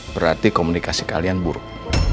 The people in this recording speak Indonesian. berarti komunikasi kalian buruk